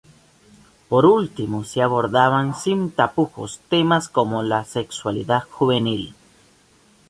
Por último se abordaban sin tapujos temas como la sexualidad juvenil.